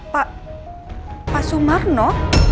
pak pak sumarno